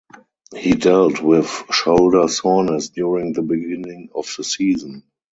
He dealt with shoulder soreness during the beginning of the season.